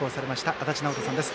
足達尚人さんです。